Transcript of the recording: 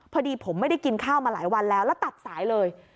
พอดีผมไม่ได้กินข้าวมาหลายวันแล้วแล้วตัดสายเลย